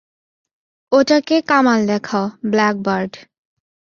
ওটাকে কামাল দেখাও, ব্ল্যাক বার্ড!